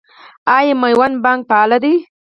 آیا میوند بانک فعال دی؟